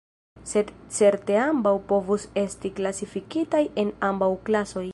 Sed certe ambaŭ povus esti klasifikitaj en ambaŭ klasoj.